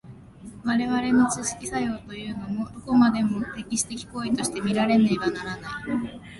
我々の知識作用というも、どこまでも歴史的行為として見られねばならない。